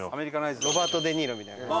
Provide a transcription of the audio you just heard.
ロバート・デ・ニーロみたいな感じで。